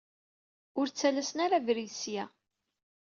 Ur ttalasen ara abrid seg-a.